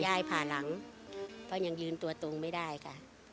ผ่าหลังเพราะยังยืนตัวตรงไม่ได้ค่ะ